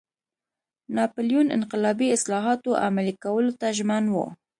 ناپلیون انقلابي اصلاحاتو عملي کولو ته ژمن و.